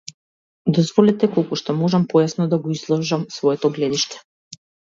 Дозволете колку што можам појасно да го изложам своето гледиште.